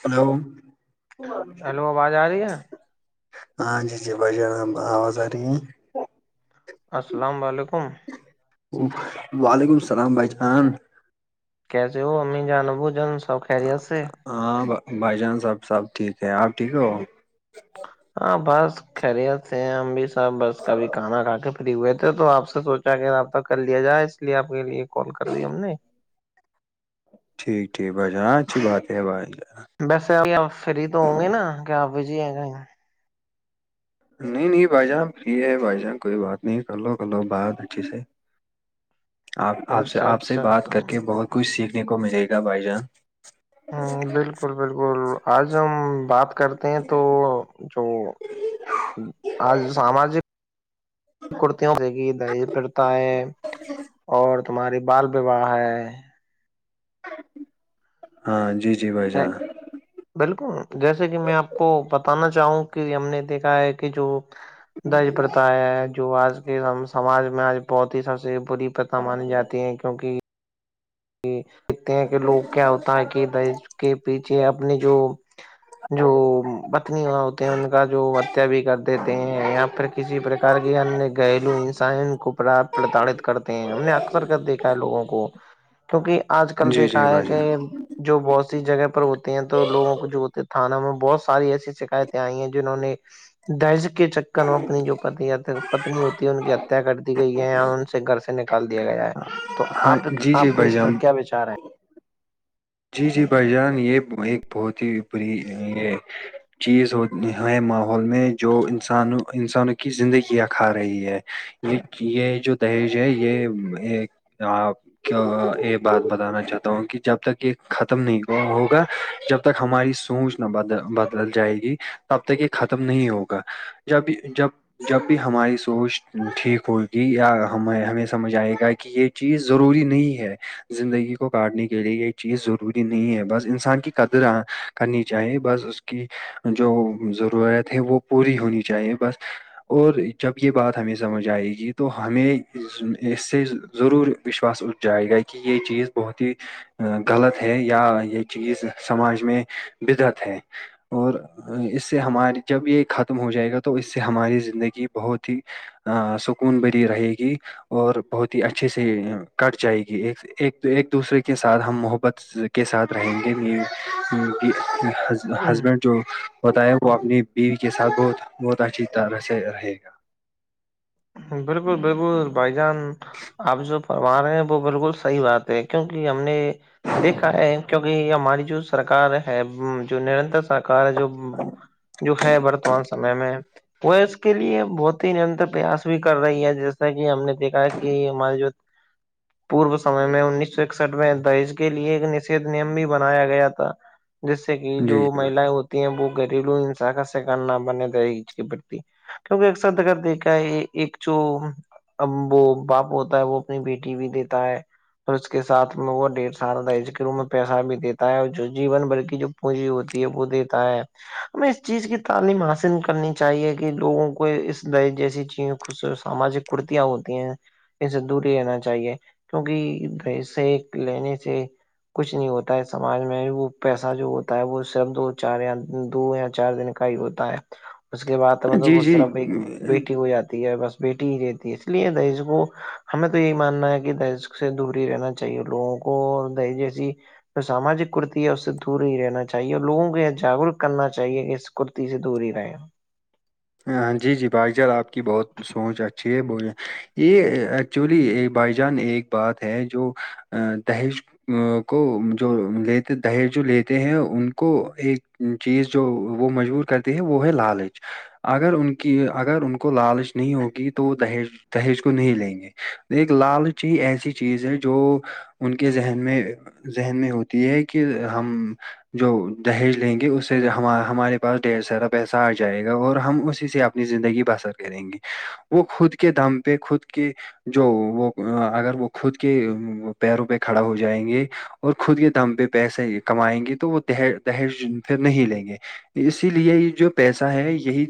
hello hello آواز آ رہی ہے ہاں جی جی بھائی جان آواز آ رہی ہیں السلام علیکم وعلیکم السلام بھائی چان کیاسے وہ ہمیں جان بو جان سب خرییے ہاں بھائی جان س آب سب ٹھیک ہے آپ ٹھیک ہو ہاں بس خیریت سے ہم بھی سب بس کبھی کھانا کھا کے ا ہوئے تھے تو آپ سے سوچا کہ رابطہ کر لیا جائے اس لیے آپ کے لیے کال کر دی ہم نے ٹھیک ٹھیک بھائی جاناں اچھی بات ہے بھائی جانا ویسےب آپ فری تو ہوں گے نا کہ آپ بھیجی کہیں نہیں نہیں بھائی جان فری ہے بھائی جان کوئی بات نہیں کر لو کر لو بات اچھے سے اچھا آپ سے اچھا بات اچھا کرکے بہت کچھ سیکھنے کو ملے گا بھائی جان ہ بالکل بالکل آج ہم بات کرتے ہیں تو جو آج ساماجک کرتیوں د گ دہ پتا ہے اور تمہاری بال وواہ ہے ہاں جی جی بھائی جان بالکل جیسے کہ میں آپ کو بتانا چاہوں کہ ہم نے دیکھا ہے کہ جو درج پرتا ہے ہے جو آج کے سماج میں آج بہت ہی سب سے بری مانی جاتی ہے کیونکہ دیکھتے ہیں کہ لوگ کیا ہوتا ہے کہ دش کے پیچھے اپنے جو جو پتنی ہو ہوتے ہیں ان کا جو ہتیا بھی کر دیتے ہیں یااں پ کسی پرکار کے ان گھریلو انسان کو پرتاڑت کرتے ہیں ہم نے اکثر کر دیکھا لوگوں کو کیونکہ آج کل جی جی دیکھا ہے بھائی کہ جان جو بہت سی جگہ پر ہوتے ہیں تو لوگوں کو جو ہوتے تھانہ میں بہت ساری ایسی شکایتیں آئی ہیں جنہوں نے دائز کے چکر وہ اپنی جو پتنی ہوتی ہے ان کی ہتیا کر دی گئی ہے ان سے گھر سے نکل دیا گیا ہے تو ہاں آپ جی جی آپ کو بھائی اس پر جان کیا وچار ہیں جی جی بھائی جان یہ ایک بہت ہی بری یہ چیز ہوتی نہاائے ماحول میں جو انسان انسانوں کی زندگیاں کھا رہی ہے یہ یہ جو دہیج ہے یہ ایک آپ کیا یہ بات بتانا چاہتا ہوں کہ جب تک یہ ختم نہیں ہوگا جب تک ہماری سوچ نہ ب بدل جائے گی تب تک یہ ختم نہیں ہوگا جب جب جب بھی ہماری سوچ ٹھیک ہوگی یا ہمیں ہمیں سمجھ آئے گا کہ یہ چیز ضروری نہیں ہے زندگی کو کاٹنے کے لیے یہ چیز ضروری نہیں ہے بس انسان کی قدر کرنی چاہیے بس اس کی جو ضرورت ہے وہ پوری ہونی چاہیے بس اور جب یہ بات ہمیں سمجھ آئے گی تو ہمیں اس سے ضرور وشواس اٹھ جائے گا کہ یہ چیز بہت ہی غلط ہے یا یہ چیز سماج میں بدت ہے اور اس سے ہمارے جب یہ ختم ہو جائے گا تو اس سے ہماری زندگی بہت ہی ا سکون بری رہے گی اور بہت ہی اچھے سے کٹ جائے گی ایک ایک دوسرے کے ساتھ ہم محبت کے ساتھ رہیں گے ہے ہسبینڈ جو ہوتا ہے وہ اپنی بیوی کے ساتھ بہت بہت اچھی طرح سے رہے گا بالکل بالکل بھائی جان آپ جو فرما رہے ہیں وہ بالکل صحیح بات ہے کیونکہ ہم نے دیکھا ہے کیونکہ ہماری جو سرار ہے جو نرنتر سر ار جو جو ہے برتمان سمے میں وہ اس کے لیے بہت ہی نرنتر پریاس بھی کر رہی ہے جیسا کہ ہم نے دیکھا ہے کہ ہمارے جو پورو سمے میں انیس سو اکسٹھ میں دہج کے لیے ایک نید نیم بھی بنایا گیا تھا جس سے کہ جو جی جی بھائی مہیلائیں ہوتی ہیں وہ گھریلو ہنسا کا سکن نہ بنے دہج کے پرتی کیونکہ ایک سد کر د کا یہ ایک جو وہ باپ ہوتا ہے وہ اپنی بیٹی بھی دیتا ہے اور اس کے سھ میں وہ ڈیڑھ سال ای کے روپ میں پیسہ بھی دیتا ہے اور جو جیون بلکہ جو پونجی ہوتی ہے وہ دیتا ہے ہمیں اس چیز کی تعلیم حاصل کرنی چاہیے کہ لوگوں کو اس د جیسی چیز کو کچھ ساماجک کرتیاں ہوتی ہیں اس سے دور ہی رہنا چاہیے کیونکہس لینے سے کچھ نہیں ہوتا ہے سماج میں وہ پیسہ جو ہوتا ہے وہ صرف دو چار یا دو یا چار دن ہوتا ہے اس کے بعد مطلب جی وہ جی طرف ایک بیٹی ہو جاتی ہے بس بیٹی ہی رہتی ہے اس لیے دہز کو ہمیں تو یہی ماننا ہے کہ دہز کو سے دوری رہنا چاہیے لوگوں کو د جیسی جو ساماجک کرتی ہے اس سے دور ہی رہنا چاہیے اور لوگوں کو یہ جاگروک کرنا چاہیے کہ کرتی سے دور ہی رہے ہیں اں جی جی بھائیجار آپ کی بہت سوچ اچھے ب یہ ایکچولی بائی جان ایک بات ہے جو ا دہیج کو جو لیتے دہیج جو لیتے ہیں ان کو ایک چیز جو وہ مجبور کرتی ہے وہ ہے لالچ اگر ان کی اگر ان کو لالش نہیں ہوگی تو دہیج دہیج کو نہیں لیں گے ایک لالچی ایسی چیز ہے جو ان کے ذہن میں ذہن میں ہوتی ہے کہ ہم جو دہیج لیں گے اس سے ہمارے پاس ڈیڑھ سارا پیسہ آ جائے گا اور ہم اسی سے اپنی زندگی بسر کریں گے وہ خود کے دم پہ خود کے جو وہ اگر وہ خود کے پیروں پہ کھڑا ہو جائیں گے اور خود کے دم پہ پیسے کمائیں گے تو وہ دہج پھر نہیں لیں گے اسی لیے یہ جو پیسہ ہے یہی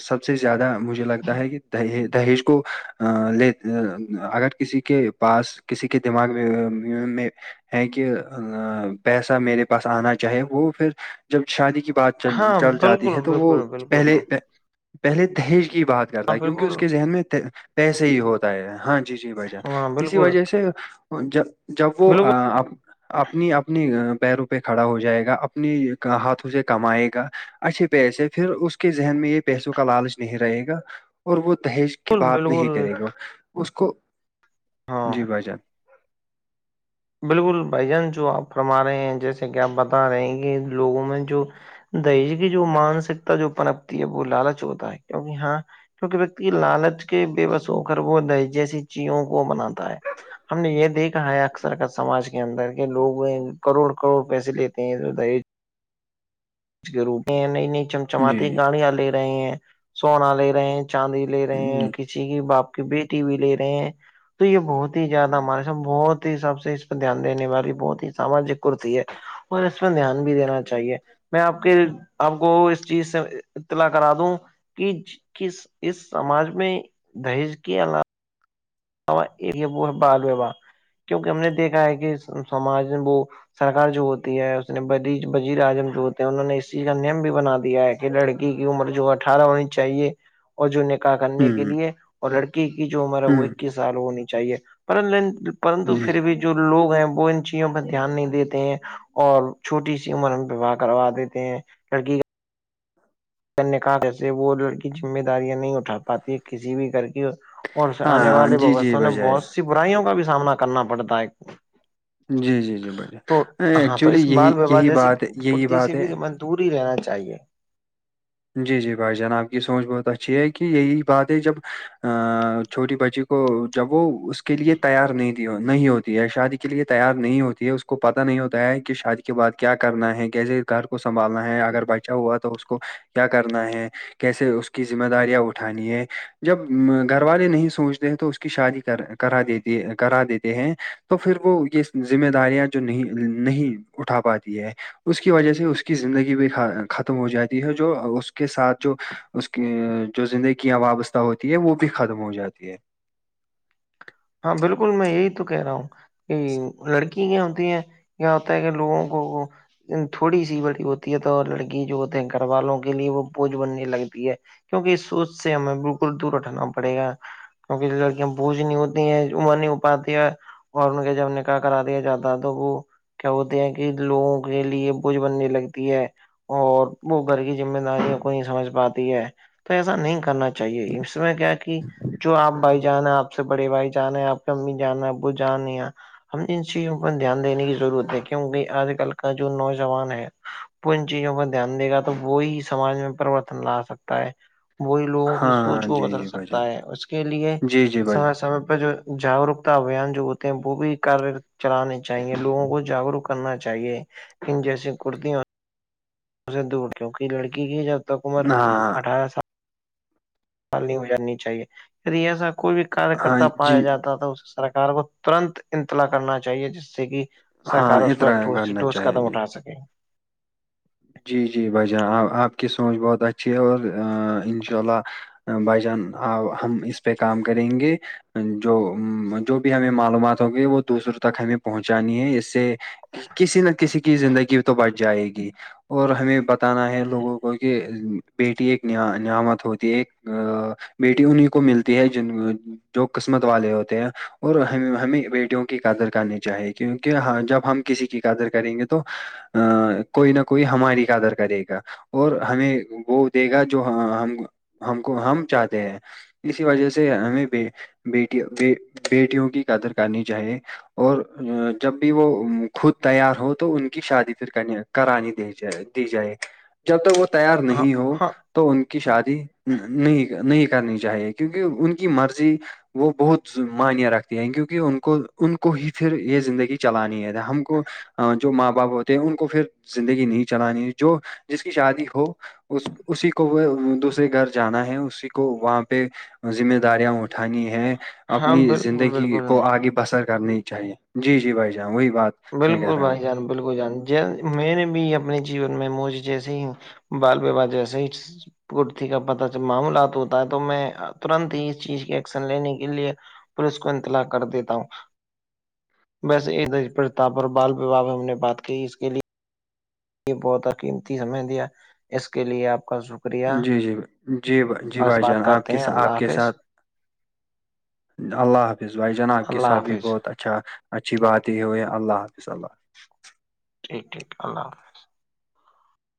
سب سے زیادہ مجھے لگتا ہے کہ دی دہیج کو لے اگر کسی کے پاس کسی کے دماغ میں ہے کہ پیسہ میرے پاس آنا چاہے وہ پھر جب شادی کی بات ہاں چل جاتی بالکل ہے تو وہ بالکل بالکل پہلے ہاں پہلے دہج کی بات کرتا ہے کیونکہ بالکل اس کے ذہن میں پیسے ہی ہوتا ہے ہاں جی جی بجن ہاں اسی بالکل وجہ سے ج جب وہ بالکل اپنی اپنی پیروں پہ کھڑا ہو جائے گا اپنی ہاتھوں سے کمائے گا اچھے پیسے پھر اس کے ذہن میں یہ پیسوں کا لالچ نہیں رہے گا اور وہ دہیج کی بات نہیں بالکل کرے گا اس کو ہاں جی بھائی جان بالکل بھائی جان جو آپ فرما رہے ہیں جیسے کہ آپ بتا رہے ہیں کہ لوگوں میں جو دہج کی جو مانسکتا جو پنپتی ہے وہ لالچ ہوتا ہے کیکہ ہاں کیونکہ ویکتی لالچ کے بے بس ہو کرر وہ دہ جیسی چیوں کو بناتا ہے ہم نے یہ دیکھا ہے اکثر سماج کے اندر کے لوگ کروڑ کروڑ پیسے لیتے ہیں دہج اس کے روپ میں ہیں نئی نئی جی چمچماتتی گاڑیاں لے رہے ہیں سونا لے رہے ہیں چاندی لے رہے ہیں جی کسی کی باپ کی بیٹی و لے رہے ہیں تو یہ بہت ہی زیادہ ہمارے س بہت ہی سب سے اس پہ دھیان دینے والی بہت ہی ساماجک کرتی ہے اور اس پ دھیان بھی دینا چاہیے میں آپ کے آپ کو اس چیز سے اطلاع کرا دوں کہ کہ اس سماج میں دہیج کی ع یہ وہ ہے بالوبا کیونکہ ہم نے دیکھا ہے کہ سماج میں وہ سرار جو ہوتی ہے اس نے بزیر اعظم جو ہوتے ہیں انہوں نے اس چیز کا نیم بھی بنا دیا ہے لڑکی کی عمر جو اٹھارہ ہونی چاہیے اور جو نکاح کرنے کے ہوں لیے اور لڑکی کی جو عمر ہے وہ ہوں اکیس سال ہونی چاہیے پر پرنتو جی پھر بھی جو جو لوگ ہیں وہ ان چیزوں پہ دھیان نہیں دیتے ہیں اور چھوٹی سی عمر ہم پواہ کروا دیتے ہیں لڑکی کا کرکار جیسے وہ لڑکی ذمہ داریاں نہیں اٹھا پاتی کسی بھی گھر کی اور آنے ہاں جی جی والیوستا میں بھائی جان بہت سی برائیوں کا بھی سامنا کرنا پڑتا ہے جی جی جی بھائی تو جان ہاں تو ایکچولی اس یہی بال وار یہی جیسی بات یہی کرتی سے بات بھی ہے دور ہی رہنا چاہیے جی جی بھائی جان آپ کی سوچ بہت اچھی ہے کہ یہی بات ہے جب چھوٹی بچی کو جب وہ اس کے لیے تیار نہیں نہیں ہوتی ہے شادی کے لیے تیار نہیں ہوتی ہے اس کو پتا نہیں ہوتا ہے کہ شادی کے بعد کیا کرنا ہے کیسے گھر کو سنبھالنا ہے اگر بچا ہوا تو اس کو کیا کرنا ہے کیسے اس کی ذمہ داریاں اٹھانی ہے جب گھر والے نہیں سوچتے ہیں تو اس کی شادی کر کرا دیتی کرا دیتے ہیں تو پھر وہ یہ ذمہ داریاں جو نہیں نہیں اٹھا پاتی ہے اس کی وجہ سے اس کی زندگی بھی ختم ہو جاتی ہے جو اس کے ساتھ جو اس کی جو زندگیاں وابستہ ہوتی ہے وہ بھی ختم ہو جاتی ہے ہاں بالکل میں یہی تو کہہ رہا ہوں کہ لڑکی کیا ہوتی ہے کیا ہوتا ہے کہ لوگوں کو تھوڑی سی بڑی ہوتی ہے تو لڑکی جو ہوتے ہیں گھر والوں کے لیے وہ بوجھ بننے لگتی ہے کیونکہ اس سوچ سے ہمیں بالکل دور اٹھانا پڑے گا کیک لڑکیاں بوجھ نہیں ہوتی عمر نہیں ا پات دیا اور ان کے جب نے کہ کرا دیا ج دادوں کو کیا ہوتے ہیں کہ لوگوں کے لیے بوجھ بننے لگتی ہے اور وہ گھر کی ذمہ داریوں کو نہیں سمجھ پاتی ہے تو ایسا نہیں کرنا چاہیے اس میں کیا کہ جو آپ بھائی جان ہے آپ سے بڑے بھائی جان ہے آپ کی امی جان ہے ابو جان یا ہم انن چیزوں پر دھیان دینے کی ضرورت ہے کیونکہ آج کل کا جو نوجوان ہے وہ ان چیزوں پر دھیان دے گا تو وہی سمج میں پرریورتن لا سکتا ہے وہی لوگوں کی سوچ ہاں کو جی بدل جی بھائی جان سکتا ہے اس کے لیے جی جی بھائی سمے سمے جو جاگروکتا ابھیان جو ہوتے ہیں وہ بھی ک چلانے چاہیے لوگوں کو جاگروک کرنا چاہیے انن جیسی کرتیوں اور اس سے دور کیوںکہ لڑکی کی جب تک عمر جان ہاں اٹھارہ سال ال نہیں ہو جانی چاہیے ایسا کوئی بھی کاریہ ہاں کررتا پایا جی جاتا تھا اس سرار کو ترنت انتلا کرنا چاہیے جس سے کہ ہاں سرکار اس پر اطراع ٹھوس سے کرنا ٹوس چاہیے قدم جی اٹھا سکے جی جی بھائی جان آپ کی سوچ بہت اچھی ہے اور انشاء اللہ بھائی جان ہم اس پہ کام کریں گے جو جو بھی ہمیں معلومات ہوں گی وہ دوسروں تک ہمیں پہنچانی ہے اس سے کہ کسی نہ کسی کی زندگی تو بچ جائے گی اور ہمیں بتانا ہے لوگوں کو کہ بیٹی ایک نعمت ہوتی ہے ایک بیٹی انہیں کو ملتی ہے جن جو قسمت والے ہوتے ہیں اور ہم ہمیں بیٹیوں کی قدر کرنی چاہیے کیونکہ جب ہم کسی کی قدر کریں گے تو ا کوئی نہ کو کوئی ہماری کادر کرے گا اور ہمیں وہ دے گا جو ہم ہم کو ہم چاہتے ہیں اسی وجہ سے ہمیں بیٹی بیٹیوں کی قدر کرنی چاہیے اور جب بھی وہ خود تیار ہو تو ان کی شادی پ کرانی جائے دی جائے جب تک وہ تیار ہاں نہیں ہو ہاں تو ان کی شادی نہیں نہیں کرنی چاہیے کیونکہ ان کی مرضی وہ بہت مانیہ رکھتی ہیں کیونکہ ان کو ان کو ہی پھر یہ زندگی چلانی ہے ہم کو جو ماں باپ ہوتے ہیں ان کو پھر زندگی نہیں چلانی جو جس کی شادی ہو اس اسی کو وہ دوسرے گھر جانا ہے اسی کو وہاں پہ ذمہ داریاں اٹھانی ہے ہاں اپنی بالکل زندگی بالکل کو آگے بسر کرنی چاہیے جی جی بھائی جان وہی بات میں کہہ بالکل رہا بھائی ہوں جان بالکل جان میں نے بھی اپنے جیون میں موج جیسے ہی بال وواہ جیسے ہی کٹتی کا پتا چ معاملات ہوتا ہے تو میں ترنت ہی اس چیز کے ایکشن لینے کے لیے پ اس کو انتلا کر دیتا ہوں بس ادھر پر بال وواہ ہم نے بات کی اس کے لیے یہ بہت قیمتی سمے دیا اس کے لیے آپ کا شکریہ جی جیھ جی جی اور بھائی بات جان آپ کرتے ہیں کےھ آپ اللہ کے حافظ ساتھ اللہ حافظ بھائی جناب کے اللہ ساتھ بھی حافظ بہت اچھا اچھا اچھی بات ہی ہو ہے اللہ حافظ اللہ ٹھیک ٹھیک اللہ حافظ